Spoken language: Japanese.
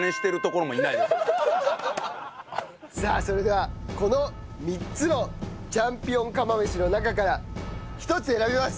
さあそれではこの３つのチャンピオン釜飯の中から１つ選びます。